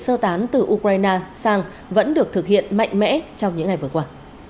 sơ tán từ ukraine sang vẫn được thực hiện mạnh mẽ trong những ngày vừa qua